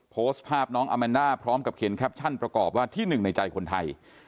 โพสต์ภาพน้องอาแมนด้าพร้อมกับเขียนแคปชั่นประกอบว่าที่หนึ่งในใจคนไทย